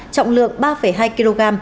trọng lượng ba hai kg